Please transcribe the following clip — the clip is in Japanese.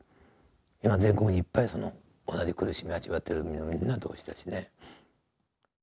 今全国にいっぱい同じ苦しみを味わってるみんな同士だしね。